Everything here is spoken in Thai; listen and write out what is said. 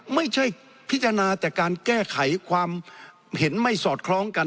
พิจารณาแต่การแก้ไขความเห็นไม่สอดคล้องกัน